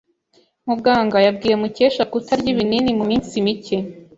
Muganga yabwiye Mukesha kutarya ibinini muminsi mike.